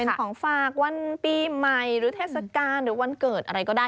เป็นของฝากวันปีใหม่หรือเทศกาลหรือวันเกิดอะไรก็ได้